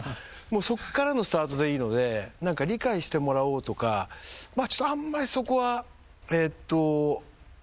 そっからのスタートでいいので理解してもらおうとかあんまりそこはやってないですかね。